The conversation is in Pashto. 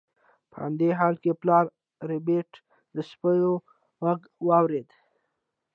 په همدې حال کې پلار ربیټ د سپیو غږ واورید